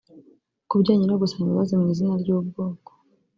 Ku bijyanye no gusaba imbabazi mu izina ry’ubwoko